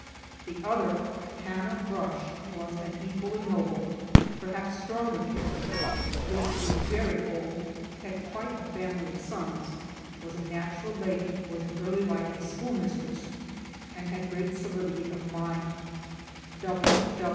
The other (Hannah Brush,) was an equally noble, perhaps stronger character, lived to be very old, had quite a family of sons, was a natural lady, was in early life a school mistress, and had great solidity of mind.